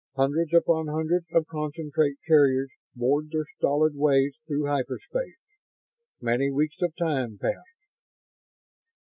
Hundreds upon hundreds of concentrate carriers bored their stolid ways through hyperspace. Many weeks of time passed.